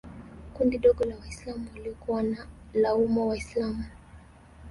kundi dogo la Waislam waliokuwa wanawalaumu Waislam